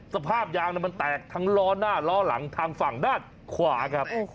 สภาพยางมันแตกทั้งล้อหน้าล้อหลังทางฝั่งด้านขวาครับ